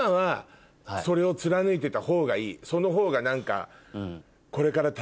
そのほうが何か。